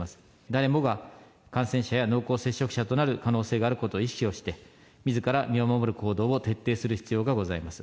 誰もが感染者や濃厚接触者となる可能性があることを意識して、みずから身を守る行動を徹底する必要がございます。